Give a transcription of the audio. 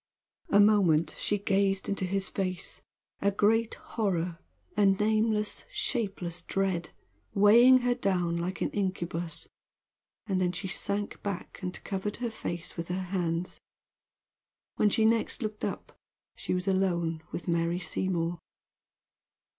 A moment she gazed into his face, a great horror a nameless, shapeless dread weighing her down like an incubus, and then she sank back and covered her face with her hands. When she next looked up she was alone with Mary Seymour.